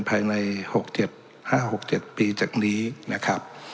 ภายในหกเจ็ดห้าหกเจ็ดปีจากนี้นะครับ